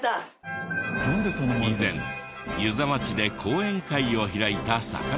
以前遊佐町で講演会を開いたさかなクン。